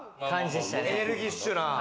エネルギッシュな。